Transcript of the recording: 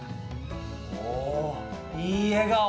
おおいい笑顔！